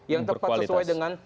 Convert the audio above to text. yang tepat sesuai dengan